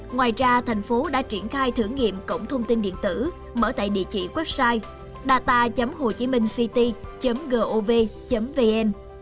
ngoài ra thành phố đã triển khai thử nghiệm cổng thông tin điện tử mở tại địa chỉ website data hochiminhcity gov vn